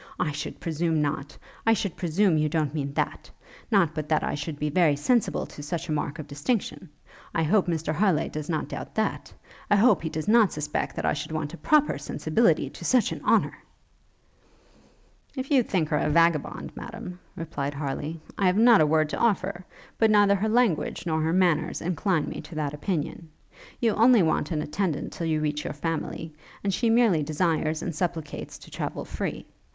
I should presume not; I should presume you don't mean that? Not but that I should be very sensible to such a mark of distinction. I hope Mr Harleigh does not doubt that? I hope he does not suspect I should want a proper sensibility to such an honour?' 'If you think her a vagabond, Madam,' replied Harleigh, 'I have not a word to offer: but neither her language nor her manners incline me to that opinion. You only want an attendant till you reach your family, and she merely desires and supplicates to travel free.